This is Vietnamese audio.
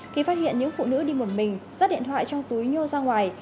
khi phát hiện những phụ nữ đi một mình rắt điện thoại trong túi nhô ra ngoài